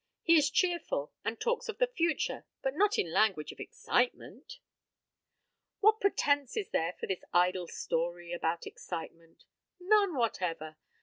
He is cheerful, and talks of the future, but not in language of excitement. What pretence is there for this idle story about excitement? None whatever.